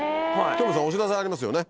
京本さんお知らせありますよね。